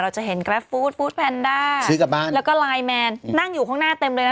เราจะเห็นกราฟฟู้ดฟู้ดแพนด้าแล้วก็ไลน์แมนนั่งอยู่ข้างหน้าเต็มเลยนะ